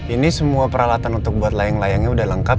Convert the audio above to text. ini semua peralatan untuk buat layang layangnya udah lengkap